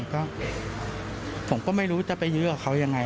ก็ผมก็ไม่รู้จะไปยื้อกับเขายังไง